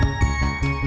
aduh ya aku juga